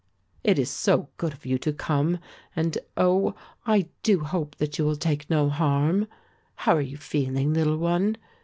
"It is good of you to come, and oh, I do hope that you will take no harm. How are you feeling, little one?"